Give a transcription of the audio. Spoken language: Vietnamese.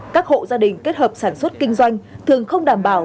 các hộ gia đình kết hợp sản xuất kinh doanh thường không đảm bảo